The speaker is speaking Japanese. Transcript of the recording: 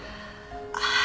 ああ。